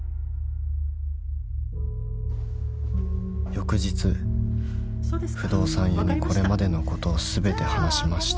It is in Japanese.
［翌日不動産屋にこれまでのことを全て話しました］